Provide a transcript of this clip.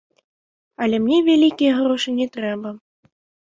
Але мне вялікія грошы не трэба.